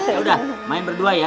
yaudah main berdua ya